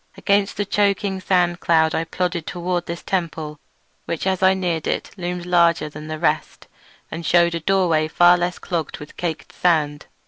Against the choking sand cloud I plodded toward this temple, which as I neared it loomed larger than the rest, and shewed a doorway far less clogged with caked sand.